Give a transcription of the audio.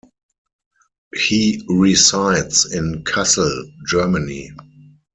He resides in Kassel, Germany.